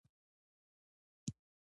یوازې فردوسي یې صفت کوي.